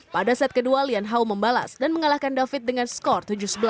pada set kedua lian hao membalas dan mengalahkan david dengan skor tujuh sebelas